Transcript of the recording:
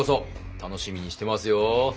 楽しみにしてますよ。